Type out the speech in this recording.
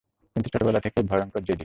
কিন্তু ছোটবেলা থেকেই ভয়ঙ্কর জেদি।